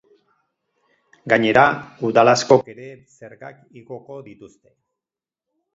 Gainera, udal askok ere zergak igoko dituzte.